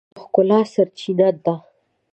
قدرت د نړۍ د ښکلا سرچینه ده.